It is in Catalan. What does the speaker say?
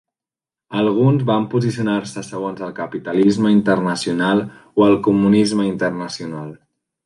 Alguns van posicionar-se segons el capitalisme internacional o el comunisme internacional.